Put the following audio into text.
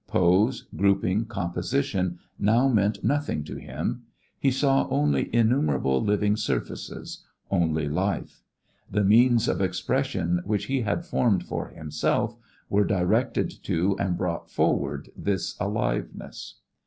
Pose, grouping, composition now meant nothing to him. He saw only innumerable living surfaces, only life. The means of expression which he had formed for himself were directed to and brought forward this aliveness.